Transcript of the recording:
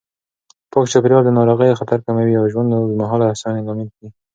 پاک چاپېریال د ناروغیو خطر کموي او د ژوند اوږدمهاله هوساینې لامل کېږي.